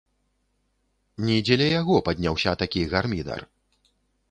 Ні дзеля яго падняўся такі гармідар.